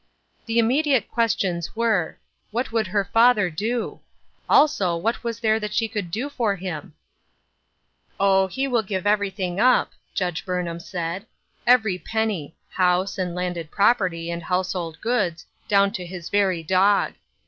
The immediate questions were : What would her father do ? Also, what was there that she could do for him ? "Oh, he will give everything up," Judge Burnham said ;" every penny ; house, and landed property, and household goods, down to his very dog.